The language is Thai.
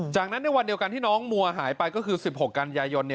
จากนั้นในวันเดียวกันที่น้องมัวหายไปก็คือ๑๖กันยายน